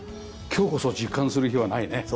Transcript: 今日こそ実感する日はないね。